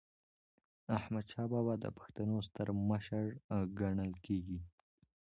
احمدشاه بابا د پښتنو ستر مشر ګڼل کېږي.